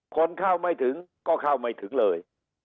คนเข้าไม่ถึงก็เข้าไม่ถึงเลย